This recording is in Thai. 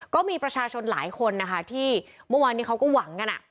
ก็มีประชาชนหลายคนนะคะที่เมื่อวานนี้เขาก็หวังกัน